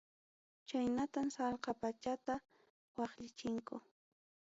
Chaynatam sallqa pachata waqllichinku.